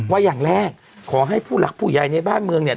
อย่างแรกขอให้ผู้หลักผู้ใหญ่ในบ้านเมืองเนี่ย